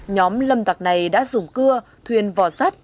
nhóm lâm tặc này đã dùng cưa thuyền vò sắt